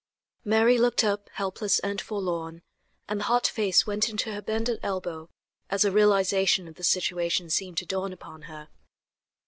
Mary looked up helpless and forlorn, and the hot face went into her bended elbow as a realization of the situation seemed to dawn upon her.